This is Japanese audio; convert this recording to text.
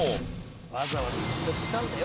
わざわざせっかく来たんだよ？